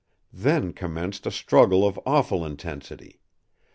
Then commenced a struggle of awful intensity.